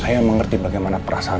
saya mengerti bagaimana perasaan